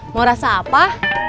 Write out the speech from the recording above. mau rasa apa